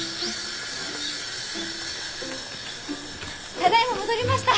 ただいま戻りました！